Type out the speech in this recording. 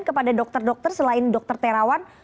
kepada dokter dokter selain dr tirawan